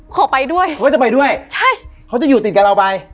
ขอไปด้วยเขาจะไปด้วยใช่เขาจะอยู่ติดกับเราไป